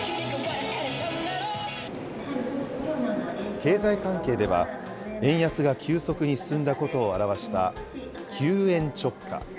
経済関係では、円安が急速に進んだことを表した、急円超下。